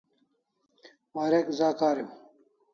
warek za kariu